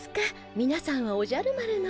みなさんはおじゃる丸の。